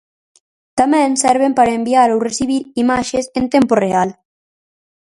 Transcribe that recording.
Tamén serven para enviar ou recibir imaxes en tempo real.